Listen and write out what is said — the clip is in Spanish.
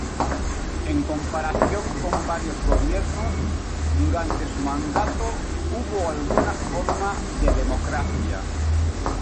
En comparación con varios gobiernos, durante su mandato hubo alguna forma de democracia.